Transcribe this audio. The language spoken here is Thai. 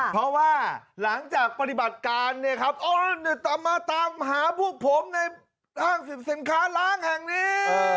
เพราะว่าหลังจากปฏิบัติการเนี่ยครับมาตามหาพวกผมในห้างสิบสินค้าล้างแห่งนี้